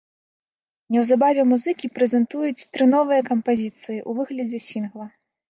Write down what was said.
Неўзабаве музыкі прэзентуюць тры новыя кампазіцыі ў выглядзе сінгла.